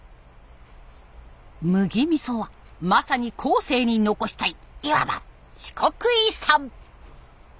麦みそはまさに後世に残したいいわば四国遺産！